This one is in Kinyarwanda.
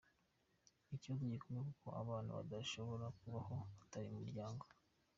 Ni ikibazo gikomeye kuko abana badashobora kubaho batari mu muryango”.